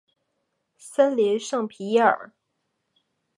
森林圣皮耶尔。